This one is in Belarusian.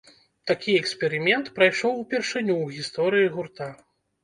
Такі эксперымент прайшоў упершыню ў гісторыі гурта.